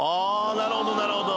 なるほどなるほど。